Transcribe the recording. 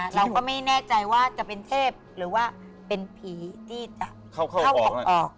เราก็ไม่แน่ใจว่าจะเป็นเทพหรือว่าเป็นผีที่จะเข้าออก